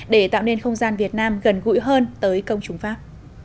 để tạo nên không gian việt nam gần gũi hơn tới công chúng pháp